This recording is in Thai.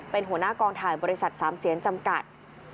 เป็นหัวหน้ากองถ่ายบริษัทสามเซียนจำกัด